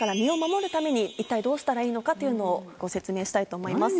一体どうしたらいいのかというのをご説明したいと思います。